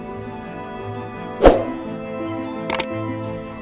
tidak ada apa apa